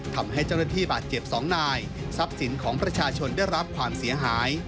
ทำให้เจ้าหน้าที่บาดเจ็บ๒นายทรัพย์สินของประชาชนได้รับความเสียหาย